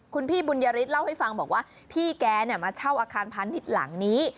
คุณพี่บุญยฤทธิเล่าให้ฟังบอกว่าพี่แกมาเช่าอาคารพาณิชย์หลังนี้